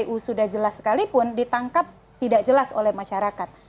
kpu sudah jelas sekalipun ditangkap tidak jelas oleh masyarakat